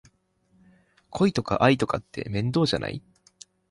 恋とか愛とかって面倒じゃない？